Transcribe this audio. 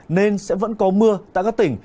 nên sẽ vẫn có mưa tại các tỉnh